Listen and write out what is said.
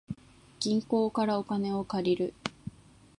銀行からお金を借りる